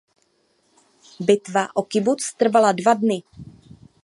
Bitva o kibuc trvala dva dny.